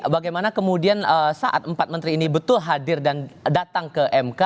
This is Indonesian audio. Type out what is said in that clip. bagaimana kemudian saat empat menteri ini betul hadir dan datang ke mk